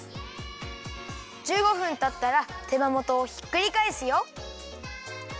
１５分たったら手羽元をひっくりかえすよ。